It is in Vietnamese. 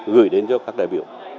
gửi đến cho các đại biểu